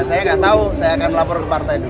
saya nggak tahu saya akan lapor ke partai dulu